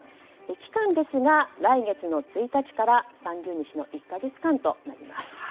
期間ですが来月の１日から３０日の１か月間となります。